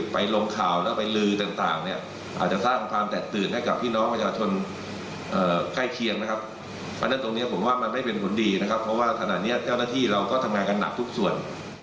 เพราะว่าถนัดเจ้าหน้าที่เราก็ทำงานกันหนักทุกส่วน